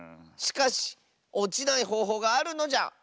しかしおちないほうほうがあるのじゃ！